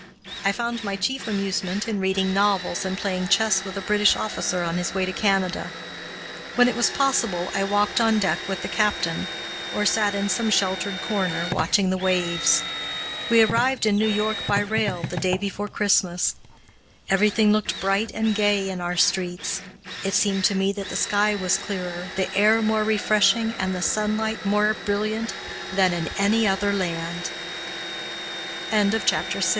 I found my chief amusement in reading novels and playing chess with a British officer on his way to Canada. When it was possible I walked on deck with the captain, or sat in some sheltered corner, watching the waves. We arrived in New York, by rail, the day before Christmas. Everything looked bright and gay in our streets. It seemed to me that the sky was clearer, the air more refreshing, and the sunlight more brilliant than in any other land! CHAPTER VII. MOTHERHOOD.